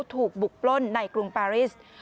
ถูกบุกปล้นในกรุงปาริส